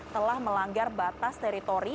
telah melanggar batas teritori